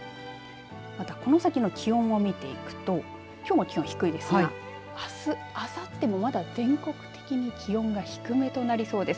またこの先の気温も見ていくときょうも気温低いですがあす、あさってもまだ全国的に気温が低めとなりそうです。